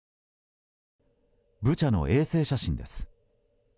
ブチャの衛星写真です。